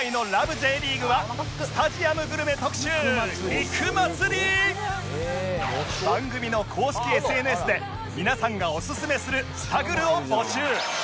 Ｊ リーグ』は番組の公式 ＳＮＳ で皆さんがおすすめするスタグルを募集